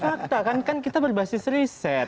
no itu fakta kan kan kita berbasis riset